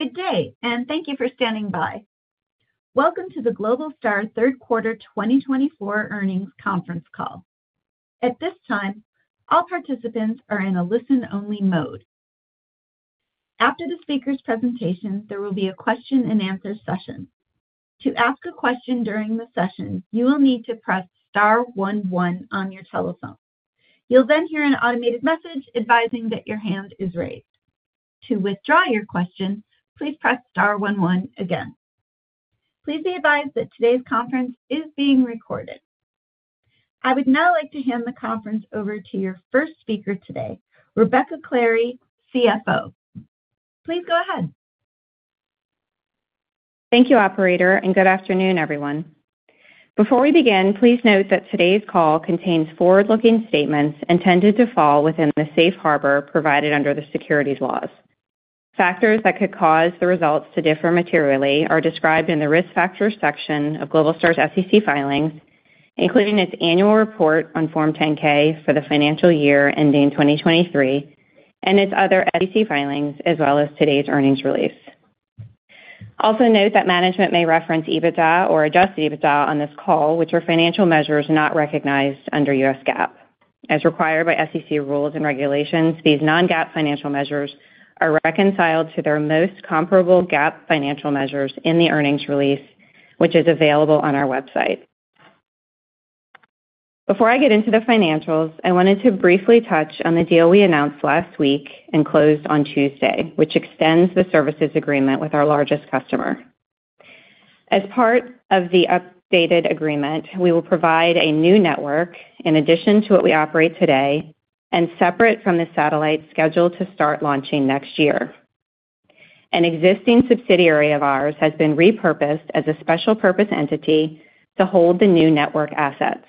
Good day, and thank you for standing by. Welcome to the Globalstar Third Quarter 2024 earnings conference call. At this time, all participants are in a listen-only mode. After the speaker's presentation, there will be a question-and-answer session. To ask a question during the session, you will need to press Star 11 on your telephone. You'll then hear an automated message advising that your hand is raised. To withdraw your question, please press Star 11 again. Please be advised that today's conference is being recorded. I would now like to hand the conference over to your first speaker today, Rebecca Clary, CFO. Please go ahead. Thank you, Operator, and good afternoon, everyone. Before we begin, please note that today's call contains forward-looking statements intended to fall within the safe harbor provided under the securities laws. Factors that could cause the results to differ materially are described in the risk factors section of Globalstar's SEC filings, including its annual report on Form 10-K for the financial year ending 2023 and its other SEC filings, as well as today's earnings release. Also note that management may reference EBITDA or adjusted EBITDA on this call, which are financial measures not recognized under U.S. GAAP. As required by SEC rules and regulations, these non-GAAP financial measures are reconciled to their most comparable GAAP financial measures in the earnings release, which is available on our website. Before I get into the financials, I wanted to briefly touch on the deal we announced last week and closed on Tuesday, which extends the services agreement with our largest customer. As part of the updated agreement, we will provide a new network in addition to what we operate today and separate from the satellite scheduled to start launching next year. An existing subsidiary of ours has been repurposed as a special purpose entity to hold the new network assets.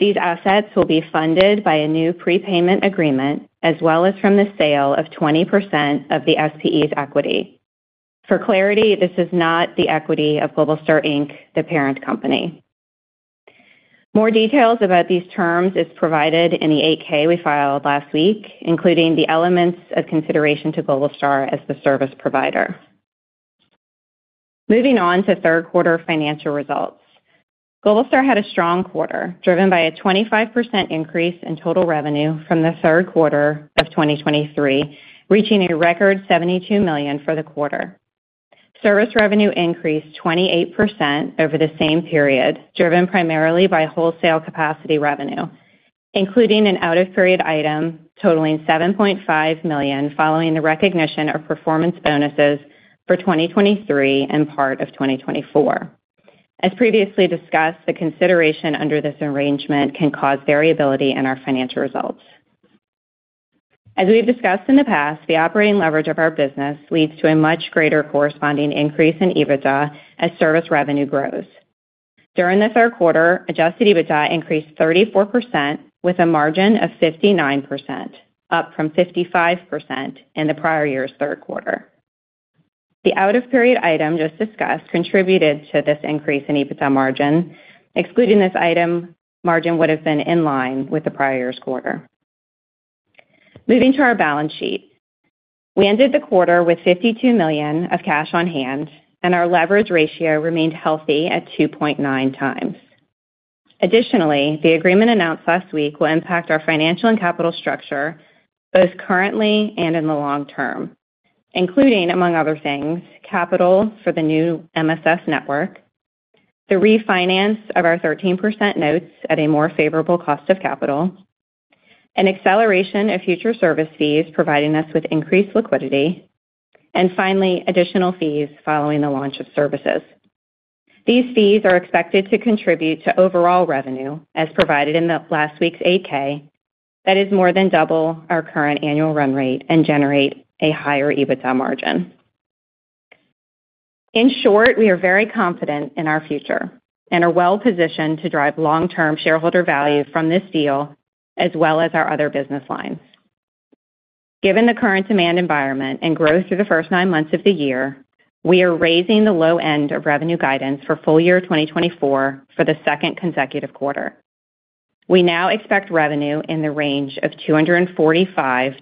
These assets will be funded by a new prepayment agreement, as well as from the sale of 20% of the SPE's equity. For clarity, this is not the equity of Globalstar Inc., the parent company. More details about these terms are provided in the 8-K we filed last week, including the elements of consideration to Globalstar as the service provider. Moving on to third quarter financial results, Globalstar had a strong quarter driven by a 25% increase in total revenue from the third quarter of 2023, reaching a record $72 million for the quarter. Service revenue increased 28% over the same period, driven primarily by wholesale capacity revenue, including an out-of-period item totaling $7.5 million following the recognition of performance bonuses for 2023 and part of 2024. As previously discussed, the consideration under this arrangement can cause variability in our financial results. As we've discussed in the past, the operating leverage of our business leads to a much greater corresponding increase in EBITDA as service revenue grows. During the third quarter, adjusted EBITDA increased 34% with a margin of 59%, up from 55% in the prior year's third quarter. The out-of-period item just discussed contributed to this increase in EBITDA margin. Excluding this item, margin would have been in line with the prior year's quarter. Moving to our balance sheet, we ended the quarter with $52 million of cash on hand, and our leverage ratio remained healthy at 2.9 times. Additionally, the agreement announced last week will impact our financial and capital structure both currently and in the long term, including, among other things, capital for the new MSS network, the refinance of our 13% notes at a more favorable cost of capital, an acceleration of future service fees providing us with increased liquidity, and finally, additional fees following the launch of services. These fees are expected to contribute to overall revenue, as provided in last week's 8-K, that is more than double our current annual run rate and generate a higher EBITDA margin. In short, we are very confident in our future and are well positioned to drive long-term shareholder value from this deal, as well as our other business lines. Given the current demand environment and growth through the first nine months of the year, we are raising the low end of revenue guidance for full year 2024 for the second consecutive quarter. We now expect revenue in the range of $245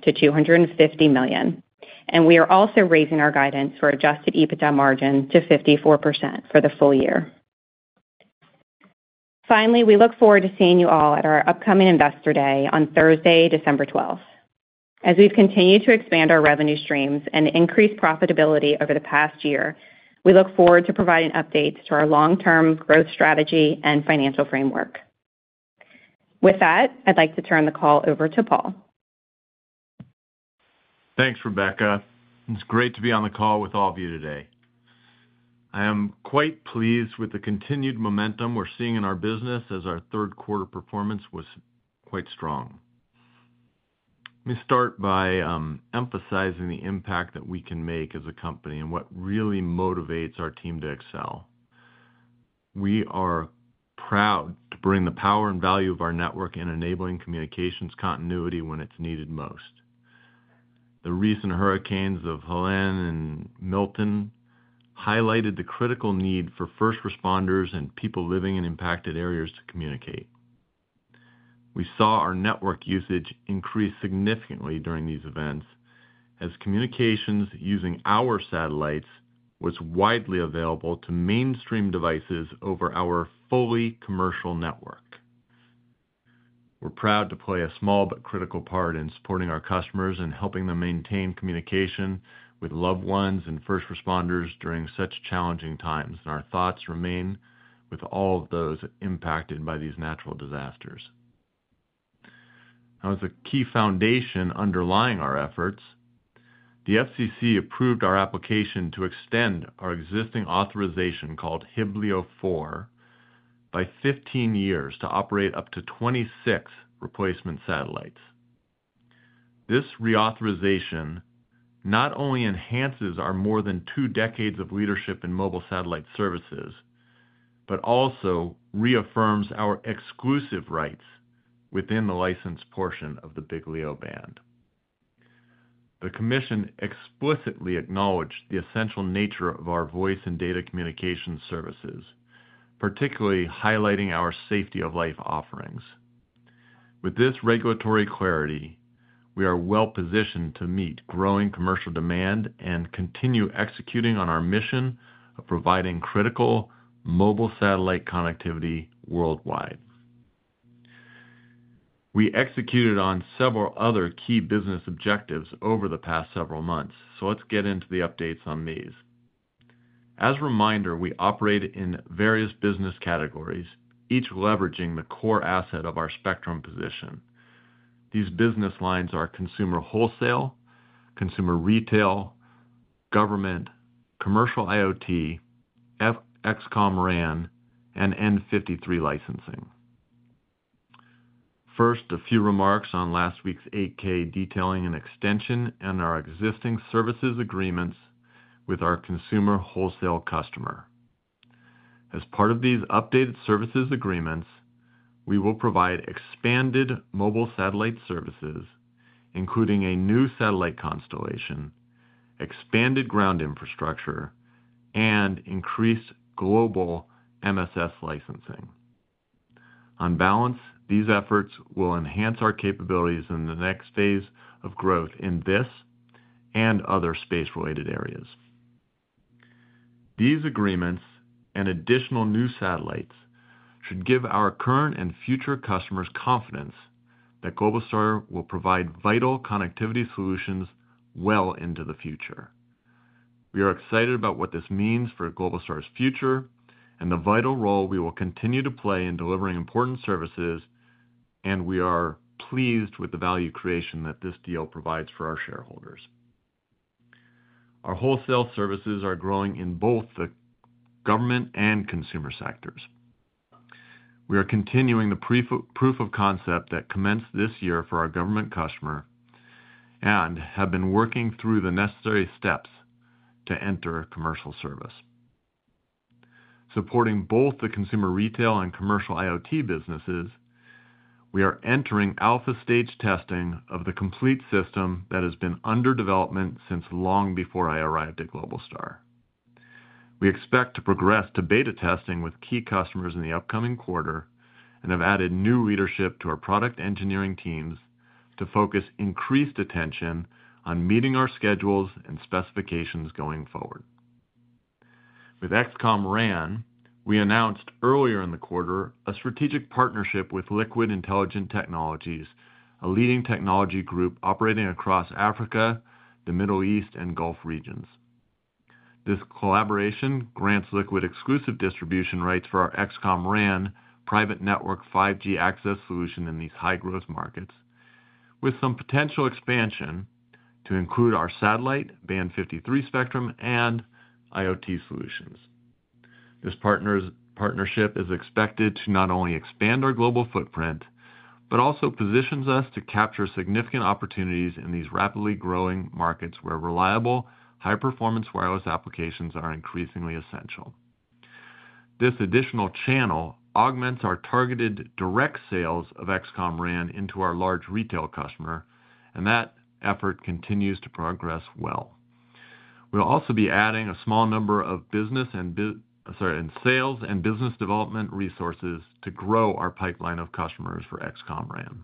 million-$250 million, and we are also raising our guidance for adjusted EBITDA margin to 54% for the full year. Finally, we look forward to seeing you all at our upcoming Investor Day on Thursday, December 12th. As we've continued to expand our revenue streams and increase profitability over the past year, we look forward to providing updates to our long-term growth strategy and financial framework. With that, I'd like to turn the call over to Paul. Thanks, Rebecca. It's great to be on the call with all of you today. I am quite pleased with the continued momentum we're seeing in our business as our third quarter performance was quite strong. Let me start by emphasizing the impact that we can make as a company and what really motivates our team to excel. We are proud to bring the power and value of our network and enabling communications continuity when it's needed most. The recent hurricanes of Helene and Milton highlighted the critical need for first responders and people living in impacted areas to communicate. We saw our network usage increase significantly during these events as communications using our satellites was widely available to mainstream devices over our fully commercial network. We're proud to play a small but critical part in supporting our customers and helping them maintain communication with loved ones and first responders during such challenging times, and our thoughts remain with all of those impacted by these natural disasters. As a key foundation underlying our efforts, the FCC approved our application to extend our existing authorization called HIBLEO-4 by 15 years to operate up to 26 replacement satellites. This reauthorization not only enhances our more than two decades of leadership in mobile satellite services, but also reaffirms our exclusive rights within the licensed portion of the Big LEO band. The Commission explicitly acknowledged the essential nature of our voice and data communication services, particularly highlighting our safety of life offerings. With this regulatory clarity, we are well positioned to meet growing commercial demand and continue executing on our mission of providing critical mobile satellite connectivity worldwide. We executed on several other key business objectives over the past several months, so let's get into the updates on these. As a reminder, we operate in various business categories, each leveraging the core asset of our spectrum position. These business lines are consumer wholesale, consumer retail, government, commercial IoT, XCOM RAN, and Band 53 licensing. First, a few remarks on last week's 8-K detailing an extension in our existing services agreements with our consumer wholesale customer. As part of these updated services agreements, we will provide expanded mobile satellite services, including a new satellite constellation, expanded ground infrastructure, and increased global MSS licensing. On balance, these efforts will enhance our capabilities in the next phase of growth in this and other space-related areas. These agreements and additional new satellites should give our current and future customers confidence that Globalstar will provide vital connectivity solutions well into the future. We are excited about what this means for Globalstar's future and the vital role we will continue to play in delivering important services, and we are pleased with the value creation that this deal provides for our shareholders. Our wholesale services are growing in both the government and consumer sectors. We are continuing the proof of concept that commenced this year for our government customer and have been working through the necessary steps to enter commercial service. Supporting both the consumer retail and commercial IoT businesses, we are entering alpha stage testing of the complete system that has been under development since long before I arrived at Globalstar. We expect to progress to beta testing with key customers in the upcoming quarter and have added new leadership to our product engineering teams to focus increased attention on meeting our schedules and specifications going forward. With XCOM RAN, we announced earlier in the quarter a strategic partnership with Liquid Intelligent Technologies, a leading technology group operating across Africa, the Middle East, and Gulf regions. This collaboration grants Liquid exclusive distribution rights for our XCOM RAN private network 5G access solution in these high-growth markets, with some potential expansion to include our satellite band 53 spectrum and IoT solutions. This partnership is expected to not only expand our global footprint, but also positions us to capture significant opportunities in these rapidly growing markets where reliable, high-performance wireless applications are increasingly essential. This additional channel augments our targeted direct sales of XCOM RAN into our large retail customer, and that effort continues to progress well. We'll also be adding a small number of business and sales and business development resources to grow our pipeline of customers for XCOM RAN.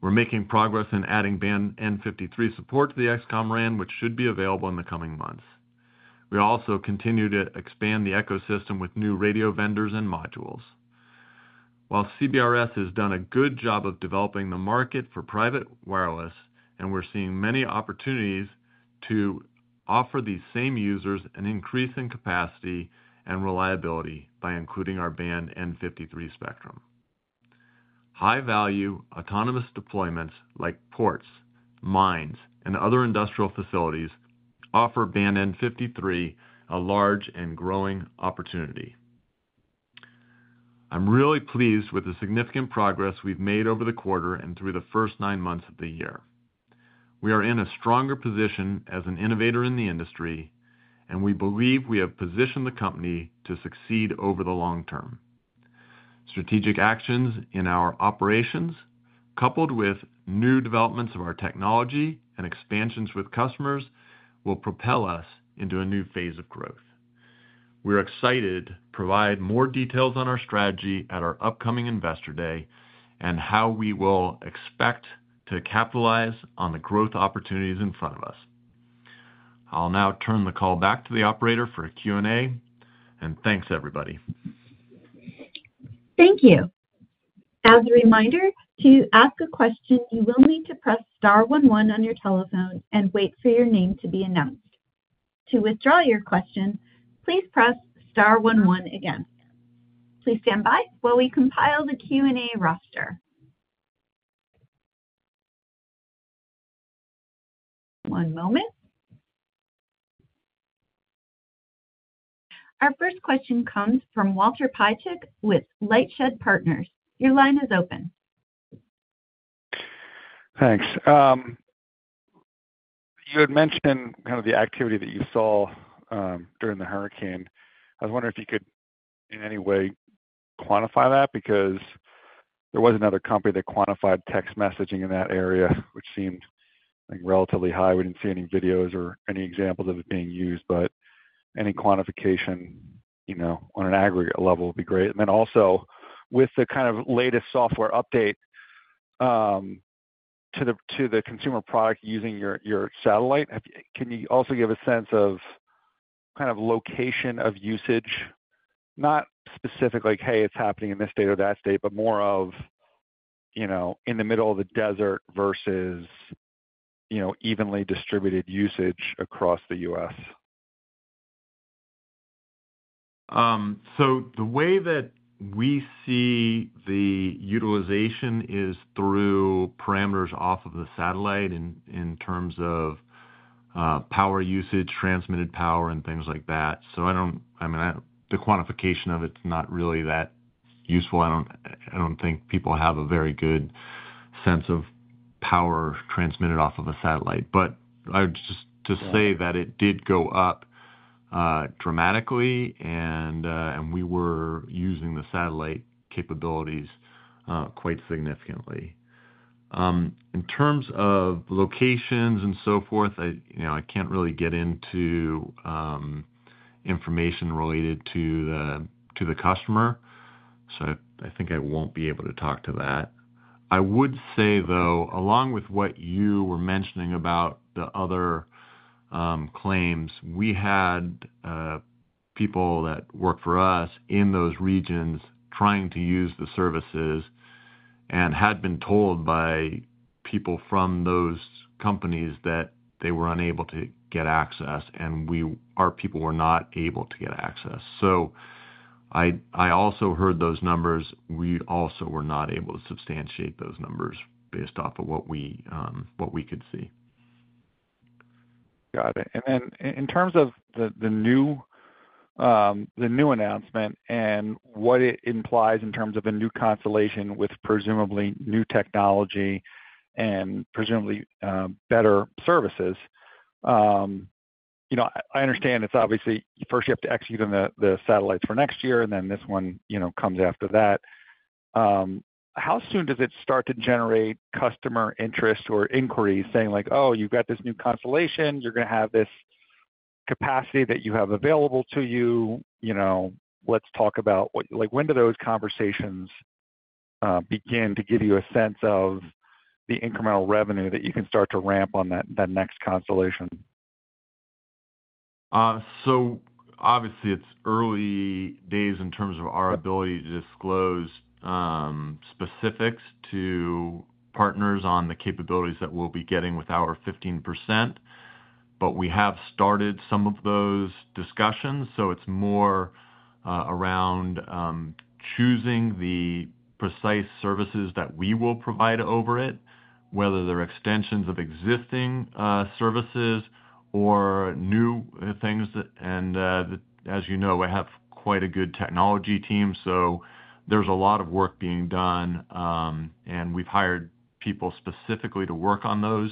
We're making progress in adding band N53 support to the XCOM RAN, which should be available in the coming months. We also continue to expand the ecosystem with new radio vendors and modules. While CBRS has done a good job of developing the market for private wireless, and we're seeing many opportunities to offer these same users an increase in capacity and reliability by including our band N53 spectrum. High-value autonomous deployments like ports, mines, and other industrial facilities offer band N53 a large and growing opportunity. I'm really pleased with the significant progress we've made over the quarter and through the first nine months of the year. We are in a stronger position as an innovator in the industry, and we believe we have positioned the company to succeed over the long term. Strategic actions in our operations, coupled with new developments of our technology and expansions with customers, will propel us into a new phase of growth. We're excited to provide more details on our strategy at our upcoming Investor Day and how we will expect to capitalize on the growth opportunities in front of us. I'll now turn the call back to the operator for a Q&A, and thanks, everybody. Thank you. As a reminder, to ask a question, you will need to press star 11 on your telephone and wait for your name to be announced. To withdraw your question, please press star 11 again. Please stand by while we compile the Q&A roster. One moment. Our first question comes from Walter Piecyk with Lightshed Partners. Your line is open. Thanks. You had mentioned kind of the activity that you saw during the hurricane. I was wondering if you could, in any way, quantify that, because there was another company that quantified text messaging in that area, which seemed relatively high. We didn't see any videos or any examples of it being used, but any quantification on an aggregate level would be great. And then also, with the kind of latest software update to the consumer product using your satellite, can you also give a sense of kind of location of usage, not specifically, "Hey, it's happening in this state or that state," but more of in the middle of the desert versus evenly distributed usage across the U.S.? So the way that we see the utilization is through parameters off of the satellite in terms of power usage, transmitted power, and things like that. So I mean, the quantification of it's not really that useful. I don't think people have a very good sense of power transmitted off of a satellite, but I would just say that it did go up dramatically, and we were using the satellite capabilities quite significantly. In terms of locations and so forth, I can't really get into information related to the customer, so I think I won't be able to talk to that. I would say, though, along with what you were mentioning about the other claims, we had people that work for us in those regions trying to use the services and had been told by people from those companies that they were unable to get access, and our people were not able to get access. So I also heard those numbers. We also were not able to substantiate those numbers based off of what we could see. Got it. And then in terms of the new announcement and what it implies in terms of a new constellation with presumably new technology and presumably better services, I understand it's obviously first you have to execute on the satellites for next year, and then this one comes after that. How soon does it start to generate customer interest or inquiries saying like, "Oh, you've got this new constellation. You're going to have this capacity that you have available to you. Let's talk about what?" When do those conversations begin to give you a sense of the incremental revenue that you can start to ramp on that next constellation? So obviously, it's early days in terms of our ability to disclose specifics to partners on the capabilities that we'll be getting with our 15%, but we have started some of those discussions. So it's more around choosing the precise services that we will provide over it, whether they're extensions of existing services or new things. And as you know, I have quite a good technology team, so there's a lot of work being done, and we've hired people specifically to work on those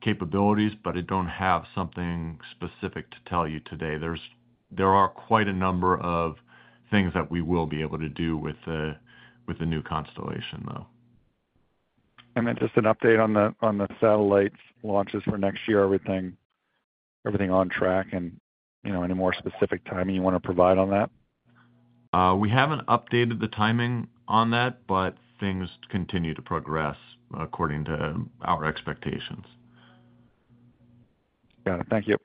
capabilities, but I don't have something specific to tell you today. There are quite a number of things that we will be able to do with the new constellation, though. Just an update on the satellite launches for next year, everything on track and any more specific timing you want to provide on that? We haven't updated the timing on that, but things continue to progress according to our expectations. Got it. Thank you.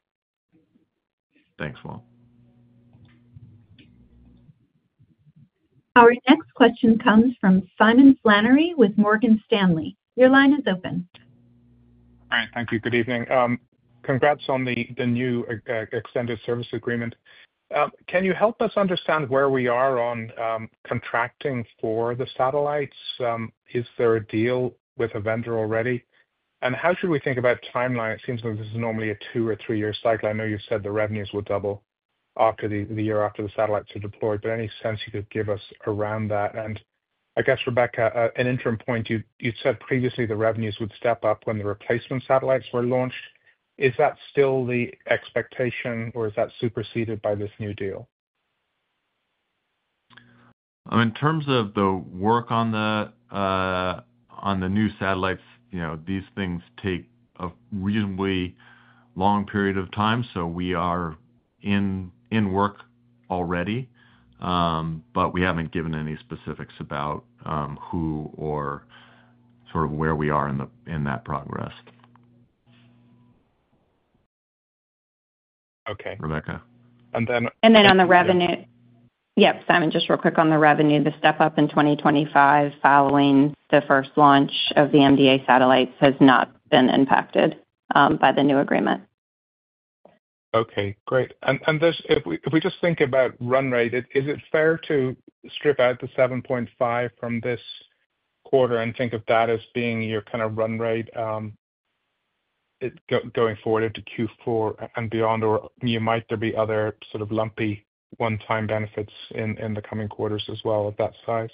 Thanks, Paul. Our next question comes from Simon Flannery with Morgan Stanley. Your line is open. All right. Thank you. Good evening. Congrats on the new extended service agreement. Can you help us understand where we are on contracting for the satellites? Is there a deal with a vendor already? And how should we think about timeline? It seems like this is normally a two or three-year cycle. I know you said the revenues would double after the year after the satellites are deployed, but any sense you could give us around that? And I guess, Rebecca, an interim point, you said previously the revenues would step up when the replacement satellites were launched. Is that still the expectation, or is that superseded by this new deal? In terms of the work on the new satellites, these things take a reasonably long period of time, so we are in work already, but we haven't given any specifics about who or sort of where we are in that progress. Okay. Rebecca? And then. And then, on the revenue. Yep, Simon, just real quick on the revenue, the step up in 2025 following the first launch of the MDA satellites has not been impacted by the new agreement. Okay. Great, and if we just think about run rate, is it fair to strip out the $7.5 from this quarter and think of that as being your kind of run rate going forward into Q4 and beyond? Or might there be other sort of lumpy one-time benefits in the coming quarters as well of that size?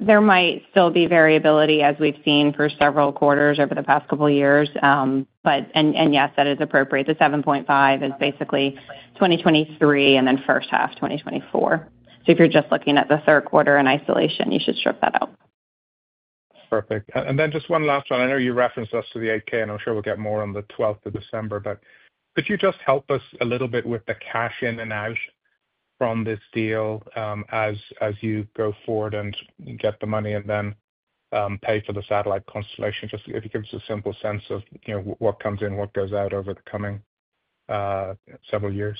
There might still be variability as we've seen for several quarters over the past couple of years, and yes, that is appropriate. The 7.5 is basically 2023 and then first half 2024. So if you're just looking at the third quarter in isolation, you should strip that out. Perfect. And then just one last one. I know you referenced us to the 8-K, and I'm sure we'll get more on the 12th of December, but could you just help us a little bit with the cash in and out from this deal as you go forward and get the money and then pay for the satellite constellation? Just if you give us a simple sense of what comes in, what goes out over the coming several years.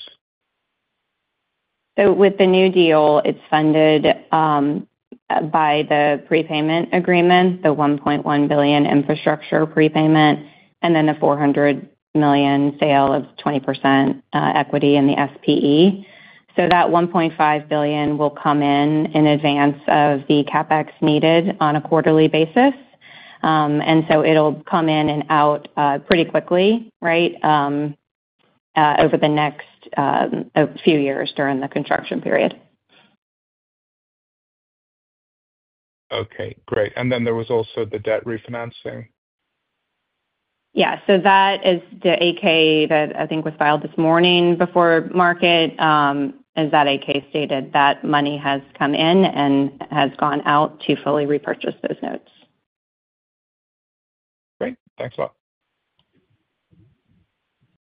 So with the new deal, it's funded by the prepayment agreement, the $1.1 billion infrastructure prepayment, and then a $400 million sale of 20% equity in the SPE. So that $1.5 billion will come in in advance of the CapEx needed on a quarterly basis, and so it'll come in and out pretty quickly, right, over the next few years during the construction period. Okay. Great. And then there was also the debt refinancing. Yeah. So that is the 8-K that I think was filed this morning before market. As that 8-K stated, that money has come in and has gone out to fully repurchase those notes. Great. Thanks a lot.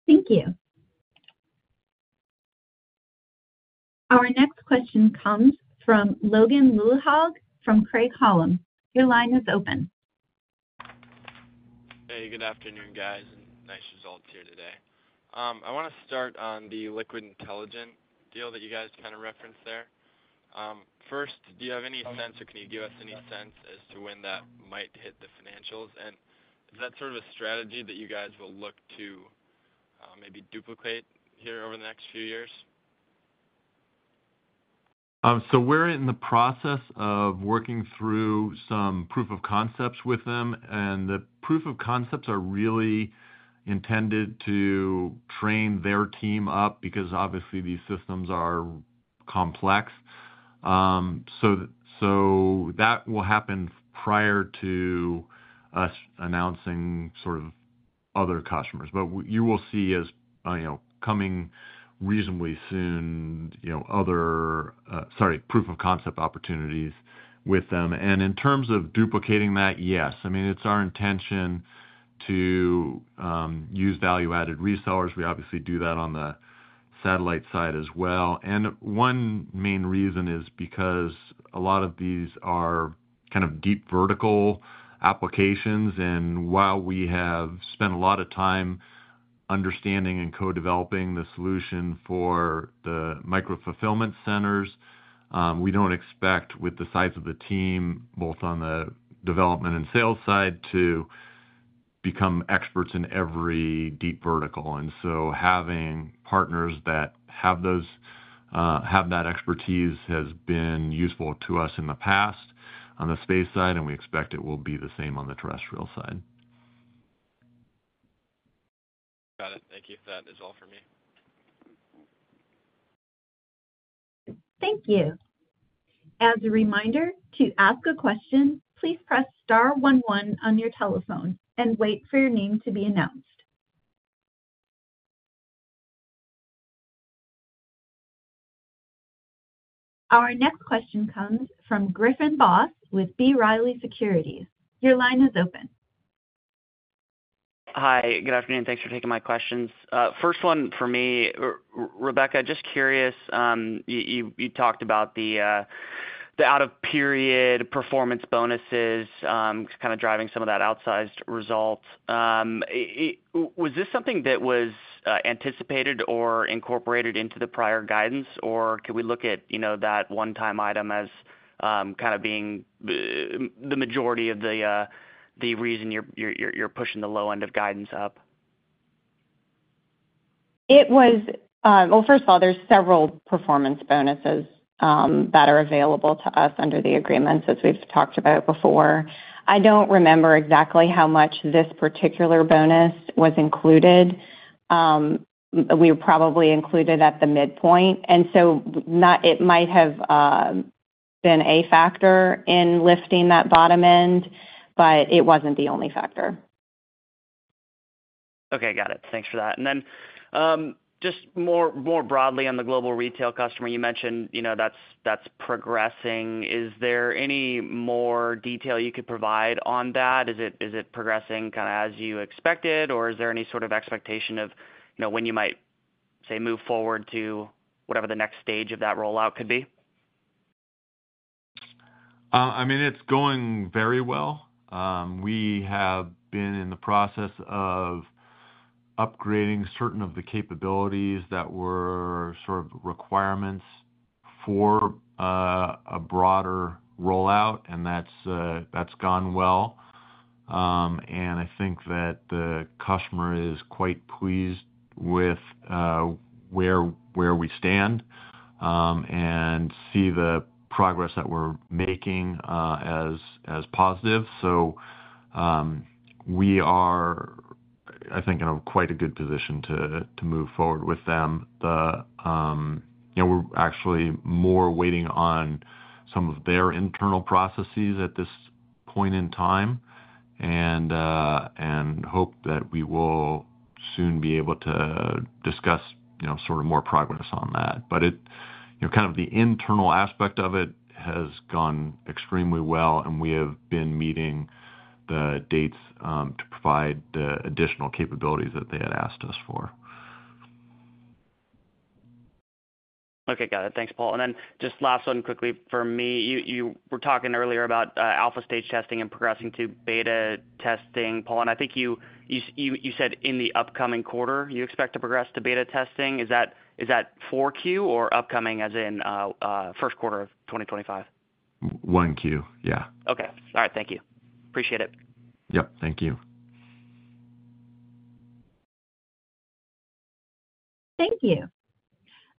Thank you. Our next question comes from Logan Lilhaug from Craig-Hallum. Your line is open. Hey, good afternoon, guys, and nice results here today. I want to start on the Liquid Intelligent deal that you guys kind of referenced there. First, do you have any sense or can you give us any sense as to when that might hit the financials? And is that sort of a strategy that you guys will look to maybe duplicate here over the next few years? So we're in the process of working through some proof of concepts with them, and the proof of concepts are really intended to train their team up because, obviously, these systems are complex. So that will happen prior to us announcing sort of other customers. But you will see us coming reasonably soon, other, sorry, proof of concept opportunities with them. And in terms of duplicating that, yes. I mean, it's our intention to use value-added resellers. We obviously do that on the satellite side as well. And one main reason is because a lot of these are kind of deep vertical applications. And while we have spent a lot of time understanding and co-developing the solution for the micro fulfillment centers, we don't expect, with the size of the team, both on the development and sales side, to become experts in every deep vertical. Having partners that have that expertise has been useful to us in the past on the space side, and we expect it will be the same on the terrestrial side. Got it. Thank you. That is all for me. Thank you. As a reminder, to ask a question, please press star 11 on your telephone and wait for your name to be announced. Our next question comes from Griffin Boss with B. Riley Securities. Your line is open. Hi. Good afternoon. Thanks for taking my questions. First one for me, Rebecca, just curious, you talked about the out-of-period performance bonuses kind of driving some of that outsized result. Was this something that was anticipated or incorporated into the prior guidance, or could we look at that one-time item as kind of being the majority of the reason you're pushing the low end of guidance up? It was. Well, first of all, there's several performance bonuses that are available to us under the agreements, as we've talked about before. I don't remember exactly how much this particular bonus was included. We were probably included at the midpoint, and so it might have been a factor in lifting that bottom end, but it wasn't the only factor. Okay. Got it. Thanks for that. And then just more broadly on the global retail customer, you mentioned that's progressing. Is there any more detail you could provide on that? Is it progressing kind of as you expected, or is there any sort of expectation of when you might, say, move forward to whatever the next stage of that rollout could be? I mean, it's going very well. We have been in the process of upgrading certain of the capabilities that were sort of requirements for a broader rollout, and that's gone well. And I think that the customer is quite pleased with where we stand and see the progress that we're making as positive. So we are, I think, in quite a good position to move forward with them. We're actually more waiting on some of their internal processes at this point in time and hope that we will soon be able to discuss sort of more progress on that. But kind of the internal aspect of it has gone extremely well, and we have been meeting the dates to provide the additional capabilities that they had asked us for. Okay. Got it. Thanks, Paul. And then just last one quickly for me. You were talking earlier about alpha stage testing and progressing to beta testing, Paul. And I think you said in the upcoming quarter, you expect to progress to beta testing. Is that 4Q or upcoming as in first quarter of 2025? 1Q. Yeah. Okay. All right. Thank you. Appreciate it. Yep. Thank you. Thank you.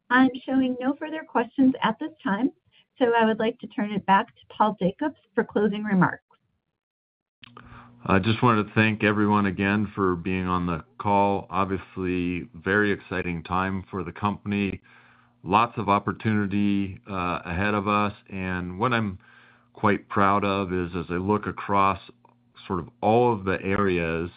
I'm showing no further questions at this time, so I would like to turn it back to Paul Jacobs for closing remarks. I just wanted to thank everyone again for being on the call. Obviously, very exciting time for the company. Lots of opportunity ahead of us. And what I'm quite proud of is, as I look across sort of all of the areas,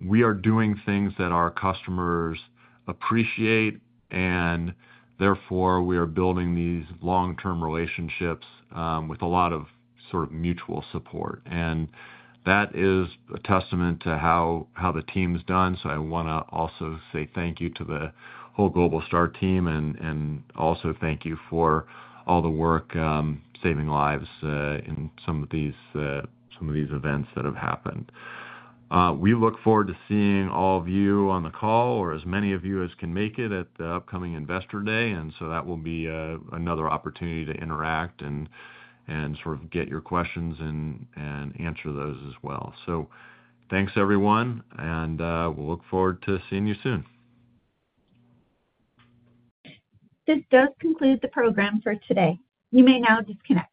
we are doing things that our customers appreciate, and therefore, we are building these long-term relationships with a lot of sort of mutual support. And that is a testament to how the team's done. So I want to also say thank you to the whole Globalstar team and also thank you for all the work saving lives in some of these events that have happened. We look forward to seeing all of you on the call or as many of you as can make it at the upcoming Investor Day. And so that will be another opportunity to interact and sort of get your questions and answer those as well. So thanks, everyone, and we'll look forward to seeing you soon. This does conclude the program for today. You may now disconnect.